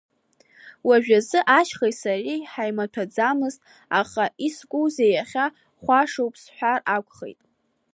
Уажәазы ашьхеи сареи ҳаимаҭәаӡамызт, аха искузеи иахьа хәашоуп сҳәар акәхеит.